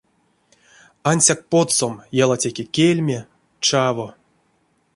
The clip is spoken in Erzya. Ансяк потсом ялатеке кельме, чаво.